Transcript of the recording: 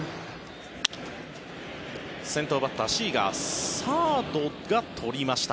先頭バッター、シーガーサードがとりました。